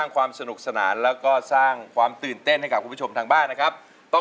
ขอบคุณครับ